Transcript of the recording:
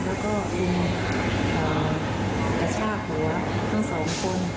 แล้วก็ยิงกระชากหัวทั้งสองคน